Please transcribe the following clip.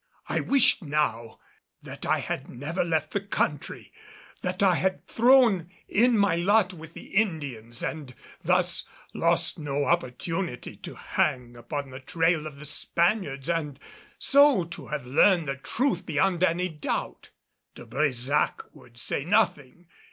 I wished now that I had never left the country that I had thrown in my lot with the Indians and thus lost no opportunity to hang upon the trail of the Spaniards and so have learned the truth beyond any doubt. De Brésac would say nothing.